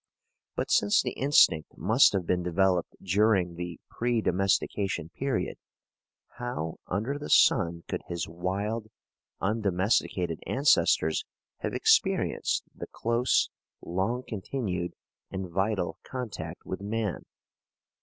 But since the instinct must have been developed during the pre domestication period, how under the sun could his wild, undomesticated ancestors have experienced the close, long continued, and vital contact with man?